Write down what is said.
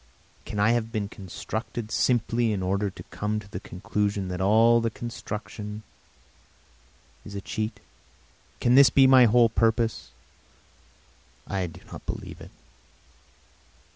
Can I have been constructed simply in order to come to the conclusion that all my construction is a cheat? Can this be my whole purpose? I do not believe it.